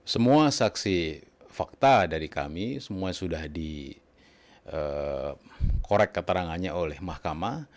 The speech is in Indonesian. semua saksi fakta dari kami semua sudah dikorek keterangannya oleh mahkamah